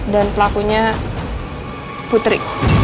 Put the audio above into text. dan pelakunya putri